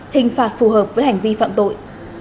hình phạt phù hợp với hành vi phạm tội